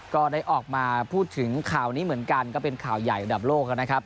ก็ได้ออกมาพูดถึงข่าวนี้เหมือนกันก็เป็นข่าวใหญ่ระดับโลกนะครับ